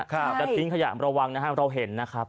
จะทิ้งขยะระวังนะครับเราเห็นนะครับ